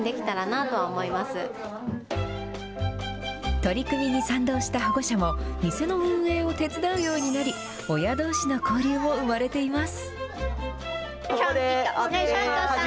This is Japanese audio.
取り組みに賛同した保護者も、店の運営を手伝うようになり、親どうしの交流も生まれています。